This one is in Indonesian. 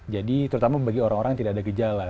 jadi terutama bagi orang orang yang tidak ada gejala